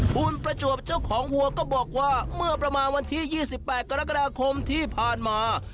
คุณประจวบเจ้าของวัวก็บอกว่าเมื่อประมาณวันที่๒๘กรกฎาคมที่ผ่านมา